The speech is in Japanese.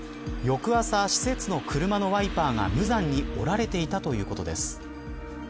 翌朝、施設の車のワイパーが無残に折られていたということです。